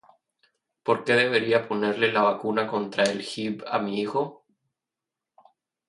¿Por qué debería ponerle la vacuna contra el Hib a mi hijo?